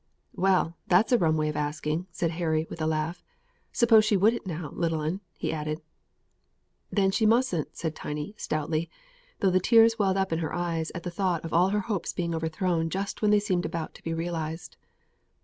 "Well, that's a rum way of asking," said Harry, with a laugh. "Suppose she wouldn't now, little 'un," he added. "Then she mustn't," said Tiny, stoutly; though the tears welled up to her eyes at the thought of all her hopes being overthrown just when they seemed about to be realised.